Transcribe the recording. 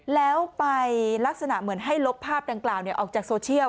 แล้วไปลักษณะเหมือนให้ลบภาพดังกล่าวออกจากโซเชียล